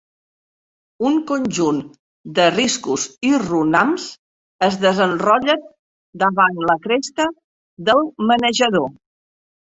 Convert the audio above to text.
Un conjunt de riscos i runams es desenrotllen davall la cresta del Menejador.